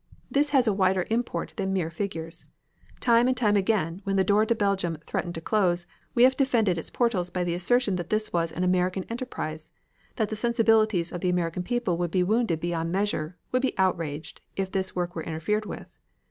This has a wider import than mere figures. Time and time again, when the door to Belgium threatened to close, we have defended its portals by the assertion that this was an American enterprise; that the sensibilities of the American people would be wounded beyond measure, would be outraged, if this work were interfered with.